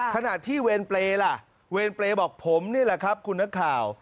ขณะที่เวรเปรย์ล่ะเวรเปรย์บอกผมนี่แหละครับคุณนักข่าว